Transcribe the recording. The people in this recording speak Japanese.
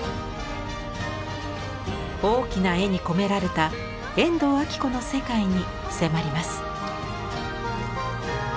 大きな絵に込められた遠藤彰子の世界に迫ります。